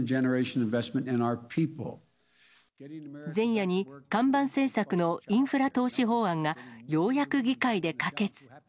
前夜に看板政策のインフラ投資法案が、ようやく議会で可決。